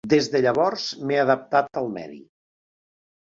Des de llavors, m'he adaptat al medi.